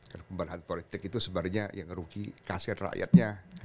karena pembelahan politik itu sebenarnya yang ngerugi kasihan rakyatnya